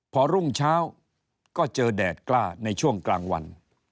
พอรุ่งเช้าก็เจอแดดกล้าในช่วงกลางวัน